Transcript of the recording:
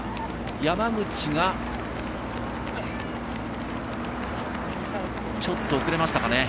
山口が、ちょっと遅れましたかね。